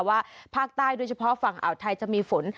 ว่าภาคใต้โดยเฉพาะฝั่งอ่าวไทยจะมีฝน